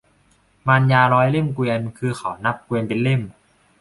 มารยาร้อยเล่มเกวียน คือเขานับเกวียนเป็นเล่ม